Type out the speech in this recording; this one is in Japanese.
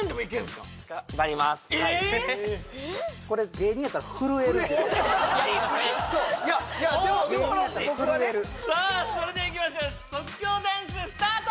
芸人やったら震えるさあそれではいきましょう即興ダンススタート！